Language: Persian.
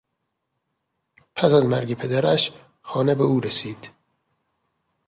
پس از مرگ پدرش خانه به او رسید.